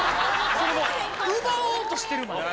それも奪おうとしてるまで。